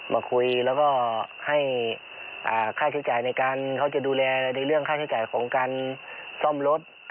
มาคุยแล้วก็ให้ค่าใช้จ่ายในการเขาจะดูแลในเรื่องค่าใช้จ่ายของการซ่อมรถ